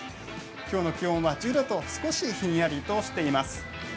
きょうの気温は１０度と少しひんやりとしています。